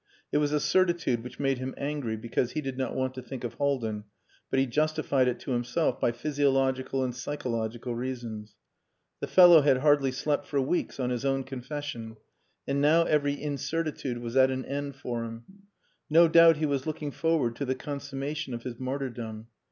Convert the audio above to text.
It was a certitude which made him angry because he did not want to think of Haldin, but he justified it to himself by physiological and psychological reasons. The fellow had hardly slept for weeks on his own confession, and now every incertitude was at an end for him. No doubt he was looking forward to the consummation of his martyrdom.